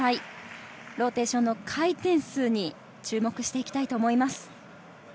ローテーションの回転数に注目していきたいと思います。